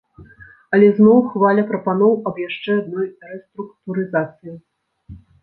Але зноў хваля прапаноў аб яшчэ адной рэструктурызацыі.